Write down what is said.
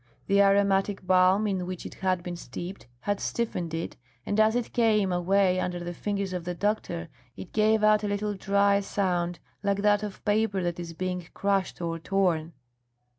The aromatic balm in which it had been steeped had stiffened it, and as it came away under the fingers of the doctor, it gave out a little dry sound like that of paper that is being crushed or torn.